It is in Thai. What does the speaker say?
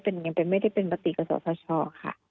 เป็นต้นมันไม่ได้เป็นมาตรีกษัตริย์ภาชาวค่ะ